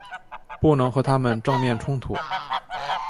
不能和他们正面冲突